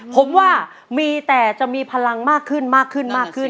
ผมว่ามีแต่จะมีพลังมากขึ้นมากขึ้นมากขึ้นมากขึ้น